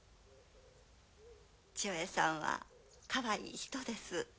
千代栄さんはかわいい人です。